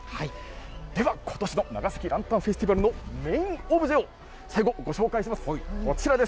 では、ことしの長崎ランタンフェスティバルのメインオブジェを最後、ご紹介します。